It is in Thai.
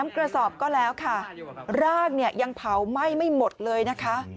กระสอบก็แล้วค่ะร่างเนี่ยยังเผาไหม้ไม่หมดเลยนะคะ